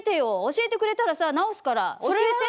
教えてくれたらさ直すから教えて。